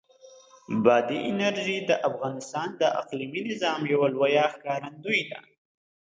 بادي انرژي د افغانستان د اقلیمي نظام یوه لویه ښکارندوی ده.